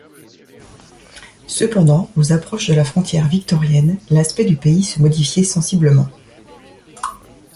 Cependant, aux approches de la frontière victorienne, l’aspect du pays se modifiait sensiblement.